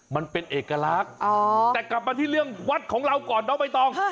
มันเป็นเอกลักษณ์แต่กลับมาที่เรื่องวัดของเราก่อนน้องใบตอง